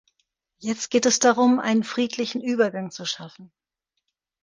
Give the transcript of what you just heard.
Jetzt geht es darum, einen friedlichen Übergang zu schaffen.